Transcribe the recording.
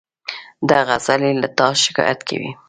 دغه سړى له تا شکايت کوي.